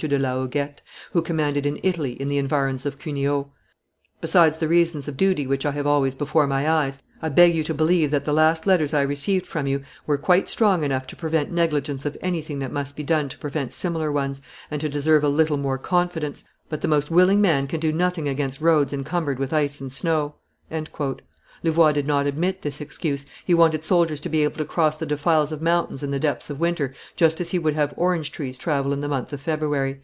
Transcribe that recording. de la Hoguette, who commanded in Italy, in the environs of Cuneo; "besides the reasons of duty which I have always before my eyes, I beg you to believe that the last letters I received from you were quite strong enough to prevent negligence of anything that must be done to prevent similar ones, and to deserve a little more confidence; but the most willing man can do nothing against roads encumbered with ice and snow." Louvois did not admit this excuse; he wanted soldiers to be able to cross the defiles of mountains in the depths of winter just as he would have orange trees travel in the month of February.